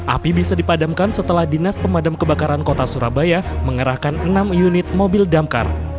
api bisa dipadamkan setelah dinas pemadam kebakaran kota surabaya mengerahkan enam unit mobil damkar